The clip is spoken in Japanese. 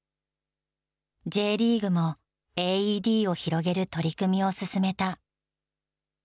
ＪリーグもＡＥＤを広げる取り組みを進めた。